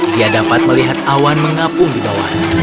dia dapat melihat awan mengapung di bawah